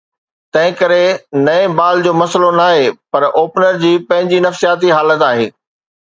تنهنڪري نئين بال جو مسئلو ناهي، پر اوپنر جي پنهنجي نفسياتي حالت آهي.